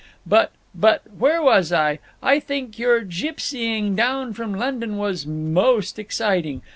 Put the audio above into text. But—but—where was I?—I think your gipsying down from London was most exciting.